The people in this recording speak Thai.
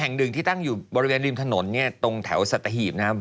อย่างหนึ่งที่ตั้งอยู่บริเวณริมถนนตรงแถวสตหิบ